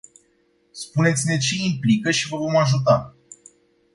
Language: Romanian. Spuneți-ne ce implică și vă vom ajuta.